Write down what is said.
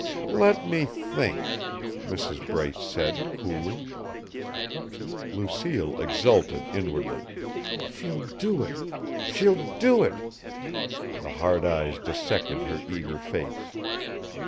"Let me think," Mrs. Brace said, coolly. Lucille exulted inwardly, "She'll do it! She'll do it!" The hard eyes dissected her eager face.